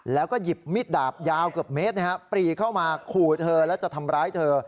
แล้วก็หยิบมิดดาบยาวเกือบเมตรปรีเข้ามาขู่เธอแล้วจะทำร้ายเธอ